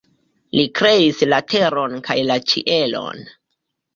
Li kreis la teron kaj la ĉielon.